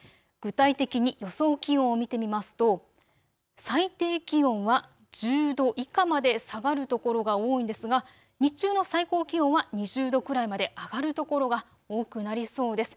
具体的に予想気温を見てみますと最低気温は１０度以下まで下がる所が多いんですが日中の最高気温は２０度くらいまで上がる所が多くなりそうです。